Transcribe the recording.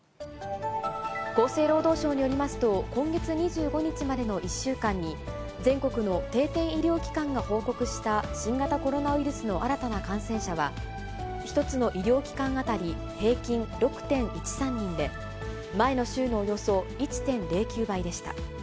厚生労働省によりますと、今月２５日までの１週間に、全国の定点医療機関が報告した新型コロナウイルスの新たな感染者は、１つの医療機関当たり平均６．１３人で、前の週のおよそ１．０９倍でした。